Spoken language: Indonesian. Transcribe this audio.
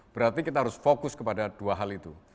berarti kita harus fokus kepada dua hal itu